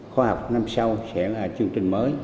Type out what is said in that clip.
khóa học năm sau sẽ là chương trình mới